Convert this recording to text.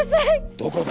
どこだ？